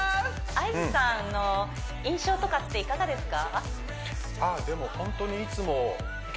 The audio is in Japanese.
ＩＧさんの印象とかっていかがですか？